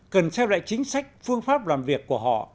cần xem lại chính sách phương pháp làm việc của họ